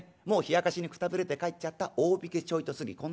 もうひやかしにくたびれて帰っちゃった大引けちょいと過ぎ